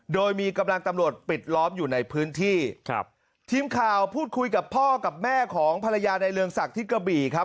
โดยมีกำลังตำรวจปิดล้อมอยู่ในพื้นที่ครับทีมข่าวพูดคุยกับพ่อกับแม่ของภรรยาในเรืองศักดิ์ที่กระบี่ครับ